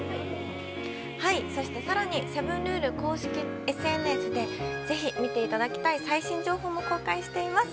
さらにセブンルール公式ＳＮＳでぜひ見て頂きたい最新情報も公開しています！